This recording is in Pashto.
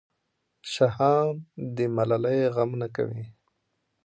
شاهان د ملالۍ غم نه کوي.